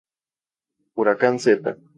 Huracán Z